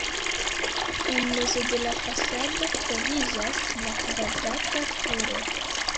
En mezo de la fasado troviĝas la kvadrata turo.